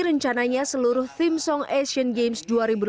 rencananya seluruh theme song asian games dua ribu delapan belas